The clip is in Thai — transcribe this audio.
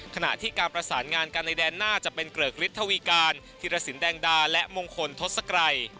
ขณะที่การประสานงานกันในแดนหน้าจะเป็นเกริกฤทธวีการธิรสินแดงดาและมงคลทศกรัย